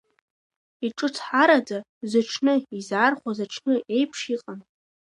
Иҿыцҳараӡа, зыҽны изаархәаз аҽны еиԥш иҟан.